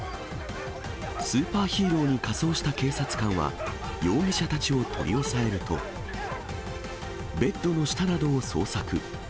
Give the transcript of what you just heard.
スーパーヒーローに仮装した警察官は、容疑者たちを取り押さえると、ベッドの下などを捜索。